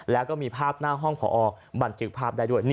แล้วก็มีภาพหน้าห้องพอบันทึกภาพได้ด้วย